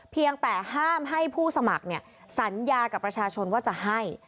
เพียงแต่ห้ามให้ผู้สมัครสัญญากับประชาชนว่าจะให้